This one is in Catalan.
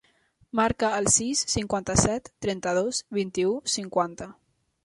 Marca el sis, cinquanta-set, trenta-dos, vint-i-u, cinquanta.